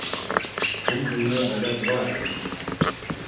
Ham dunya bela dvaey.